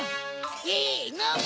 せの！